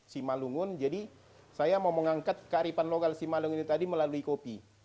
simalungun jadi saya mau mengangkat kearifan lokal simalung ini tadi melalui kopi